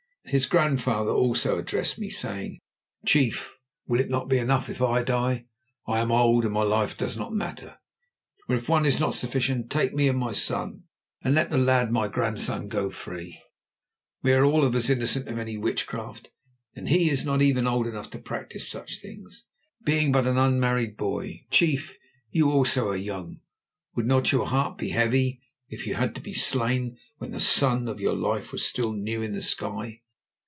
His grandfather also addressed me, saying: "Chief, will it not be enough if I die? I am old, and my life does not matter. Or if one is not sufficient, take me and my son, and let the lad, my grandson, go free. We are all of us innocent of any witchcraft, and he is not even old enough to practise such things, being but an unmarried boy. Chief, you, also, are young. Would not your heart be heavy if you had to be slain when the sun of your life was still new in the sky?